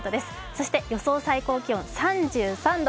そして予想最高気温３３度。